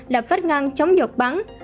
lập vắt ngang chống dột bắn